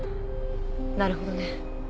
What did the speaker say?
なるほどね。